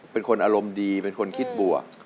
เป็นคนอารมณ์ดีเป็นคนคิดบวก